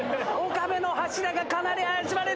岡部の柱がかなり怪しまれてる。